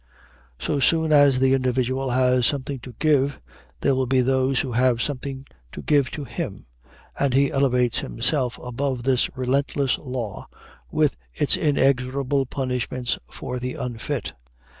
So soon as the individual has something to give, there will be those who have something to give to him, and he elevates himself above this relentless law with its inexorable punishments for the unfit.